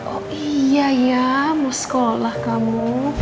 oh iya ya mau sekolah kamu